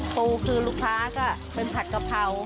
ปูคือลูกค้าก็เป็นผัดกะเพรา